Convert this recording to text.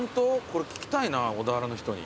これ聞きたいな小田原の人に。